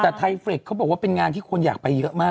แต่ไทเฟรกเขาบอกว่าเป็นงานที่คนอยากไปเยอะมาก